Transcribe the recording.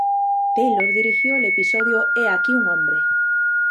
Taylor dirigió el episodio "He aquí un hombre".